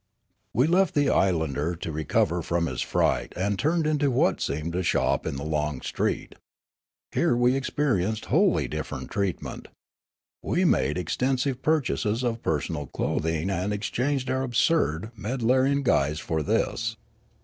We left the islander to recover from his fright and turned into what seemed a shop in the long street. Here we experienced wholly different treatment. We made extensive purchases of personal clothing and ex changed our absurd Meddlarian guise for this.